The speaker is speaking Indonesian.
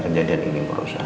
kejadian ini bu rosa